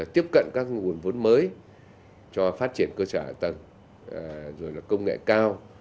tiếp cận các nguồn vốn mới cho phát triển cơ sở tầng công nghệ cao